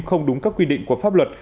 không đúng các quy định của pháp luật